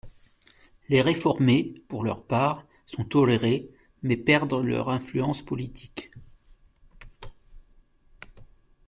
Les réformés, pour leur part, sont tolérés, mais perdent leur influence politique.